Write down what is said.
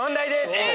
えっ？